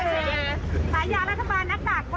แล้วภรรยานายปแบบเหลือนะคะ